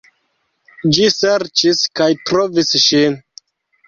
Ĝi serĉis kaj trovis ŝin.